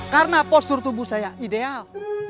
karena postur tubuh saya ideal